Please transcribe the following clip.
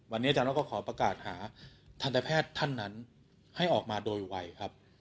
แล้วก็ขอประกาศหาทันทะแพทย์ท่านนั้นให้ออกมาโดยวัยครับ